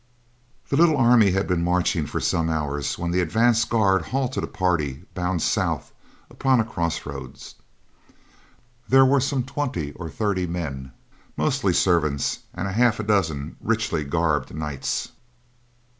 The little army had been marching for some hours when the advance guard halted a party bound south upon a crossroad. There were some twenty or thirty men, mostly servants, and a half dozen richly garbed knights.